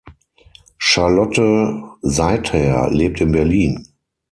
Charlotte Seither lebt in Berlin.